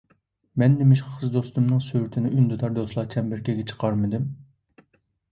مەن نېمىشقا قىز دوستۇمنىڭ سۈرىتىنى ئۈندىدار دوستلار چەمبىرىكىگە چىقارمىدىم؟